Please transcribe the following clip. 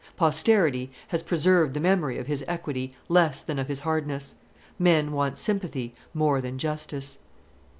Posterity has preserved the memory of his equity less than of his hardness: men want sympathy more than justice.